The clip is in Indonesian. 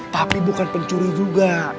tapi bukan pencuri juga